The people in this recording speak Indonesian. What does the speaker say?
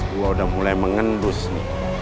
juga udah mulai mengendus nih